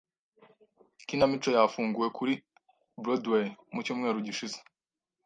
Ikinamico yafunguwe kuri Broadway mu cyumweru gishize.